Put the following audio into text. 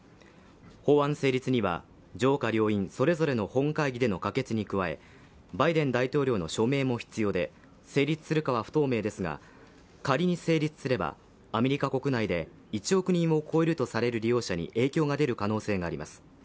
法案成立には上下両院それぞれでの本会での可決に加え、バイデン大統領の署名も必要で成立するかは不透明ですが仮に成立すればアメリカ国内で１億人を超えるとされる利用者に影響が出る可能性があります。